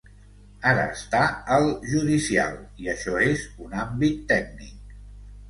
Ara està el “judicial” i això és un “àmbit tècnic”.